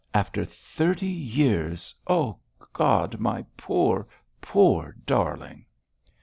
After thirty years, oh God! my poor, poor darling!'